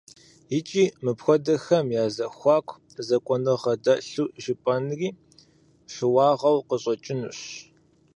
Икӏи мыпхуэдэхэм я зэхуаку зэкӏуныгъэ дэлъу жыпӏэнри щыуагъэу къыщӏэкӏынущ.